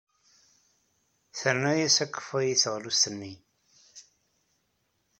Terna-as akeffay i teɣlust-nni.